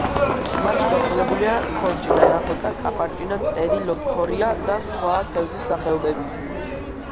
ტბაში გავრცელებულია ქორჭილა, ნაფოტა, კაპარჭინა, წერი, ლოქორია და სხვა თევზის სახეობები.